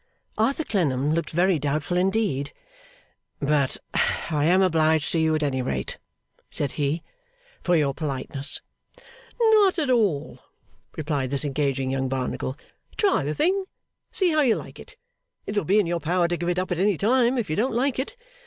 Arthur Clennam looked very doubtful indeed. 'But I am obliged to you at any rate,' said he, 'for your politeness.' 'Not at all,' replied this engaging young Barnacle. 'Try the thing, and see how you like it. It will be in your power to give it up at any time, if you don't like it.